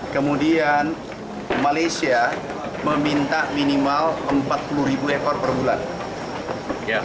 kemudian malaysia meminta minimal empat puluh ribu ekor per bulan